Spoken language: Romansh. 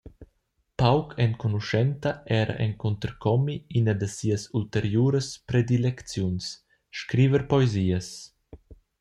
Pauc enconuschenta era encuntercomi ina da sias ulteriuras predilecziuns: scriver poesias.